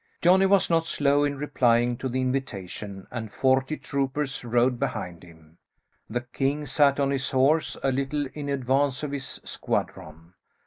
Johnny was not slow in replying to the invitation, and forty troopers rode behind him. The king sat on his horse, a little in advance of his squadron.